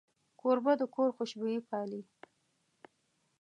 کوربه د کور خوشبويي پالي.